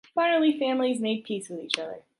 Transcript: Finally, families made peace with each other.